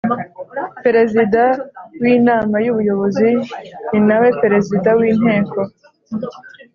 Perezida w inama y ubuyobozi ni nawe Perezida w inteko